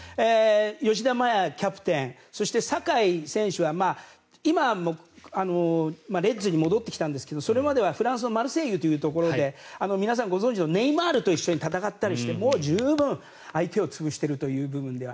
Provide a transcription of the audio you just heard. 吉田麻也キャプテンそして酒井選手は今はレッズに戻ってきたんですけどそれまではフランスのマルセイユで皆さんご存じのネイマールと戦ったりしてもう十分相手を潰しているという部分では。